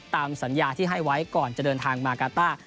ตามสัญญาที่ให้ไว้ก่อนจะเดินทางมากาต้า